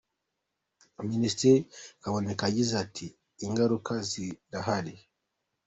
Minisitiri Kaboneka yagize ati "Ingaruka zirahari.